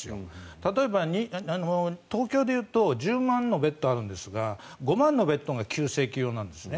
例えば、東京で言うと１０万のベッドがあるんですが５万のベッドが急性期用なんですね。